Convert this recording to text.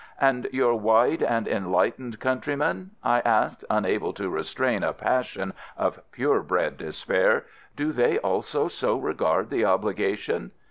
"And your wide and enlightened countrymen?" I asked, unable to restrain a passion of pure bred despair. "Do they also so regard the obligation?"